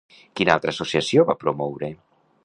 Quina altra associació va promoure?